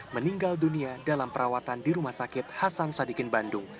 meninggal dunia dalam perawatan di rumah sakit hasan sadikin bandung